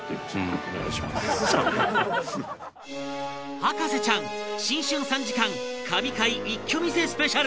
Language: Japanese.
『博士ちゃん』新春３時間神回一挙見せスペシャル